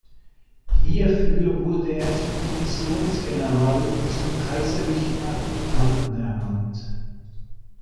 Hierfür wurde er zum Divisionsgeneral und zum kaiserlichen Adjutanten ernannt.